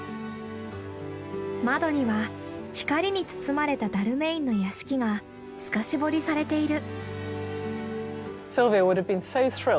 窓には光に包まれたダルメインの屋敷が透かし彫りされている。